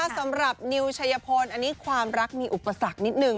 สำหรับนิวชัยพลอันนี้ความรักมีอุปสรรคนิดนึง